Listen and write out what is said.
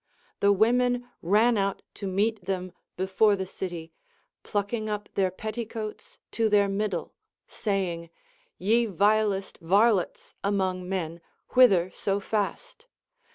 The Avomen ran out to meet them before the city, plucking up their petticoats to their middle, saying, Ye vilest varlets among men, whither so fast